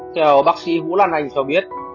theo bác sĩ vũ lan anh cho biết